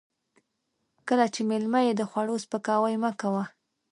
کله چې مېلمه يې د خوړو سپکاوی مه کوه.